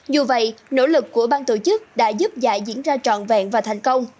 dù vậy nỗ lực của bang tổ chức đã giúp giải diễn ra trọn vẹn và thành công